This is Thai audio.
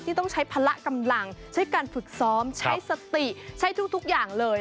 ต้องใช้พละกำลังใช้การฝึกซ้อมใช้สติใช้ทุกอย่างเลย